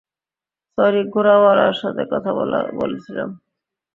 Sorry, ঘোড়া-ওয়ালার সাথে কথা বলছিলাম।